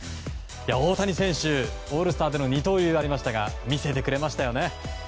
大谷選手、オールスターでの二刀流がありましたが見せてくれましたね。